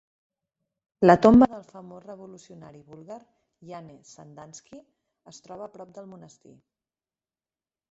La tomba del famós revolucionari búlgar Yane Sandanski es troba prop del monestir.